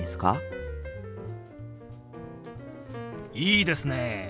いいですね！